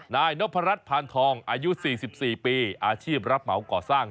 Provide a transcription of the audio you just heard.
นายนพรัชพานทองอายุ๔๔ปีอาชีพรับเหมาก่อสร้าง